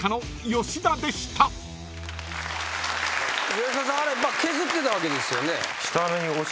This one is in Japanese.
吉田さんあれ削ってたわけですよね。